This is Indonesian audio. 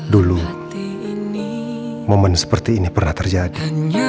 dulu momen seperti ini pernah terjadi